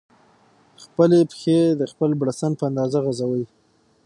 خپلې پښې د خپل بړستن په اندازه غځوئ.